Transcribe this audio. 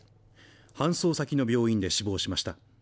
搬送先の病院で死亡しました。